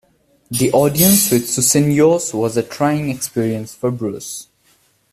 The audience with Susenyos was a trying experience for Bruce.